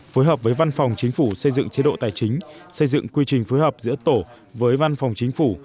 phối hợp với văn phòng chính phủ xây dựng chế độ tài chính xây dựng quy trình phối hợp giữa tổ với văn phòng chính phủ